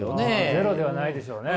ゼロではないでしょうね。